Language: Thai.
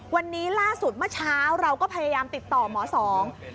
วันนี้ล่าสุดเมื่อเช้าเราก็พยายามติดต่อหมอสอง